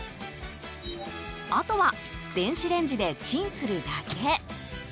あとは電子レンジでチンするだけ。